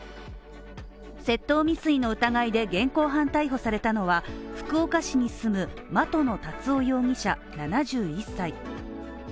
窃盗未遂の疑いで現行犯逮捕されたのは、福岡市に住む的野達生容疑者７１歳。